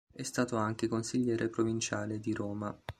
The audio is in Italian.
È stato anche consigliere provinciale di Roma.